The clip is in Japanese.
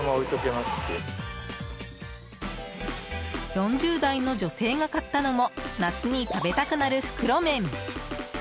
４０代の女性が買ったのも夏に食べたくなる袋麺。